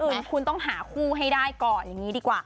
อื่นคุณต้องหาคู่ให้ได้ก่อนอย่างนี้ดีกว่า